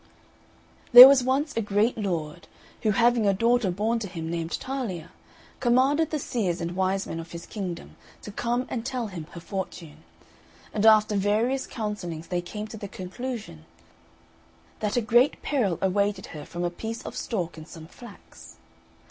There was once a great Lord, who, having a daughter born to him named Talia, commanded the seers and wise men of his kingdom to come and tell him her fortune; and after various counsellings they came to the conclusion, that a great peril awaited her from a piece of stalk in some flax.